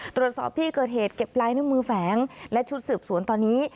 ตรวจสอบที่เกิดเหตุเก็บลายนิ้วมือแฝงและชุดสืบสวนตอนนี้